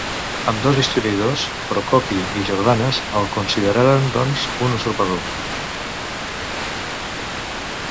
Ambdós historiadors Procopi i Jordanes el consideraren, doncs, un usurpador.